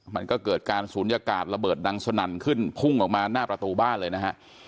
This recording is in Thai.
มันก็เกิดการศูนยากาศระเบิดดังสนั่นขึ้นพุ่งออกมาหน้าประตูบ้านเลยนะฮะ